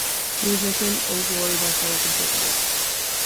He was nicknamed "Old Glory" by fellow conservatives.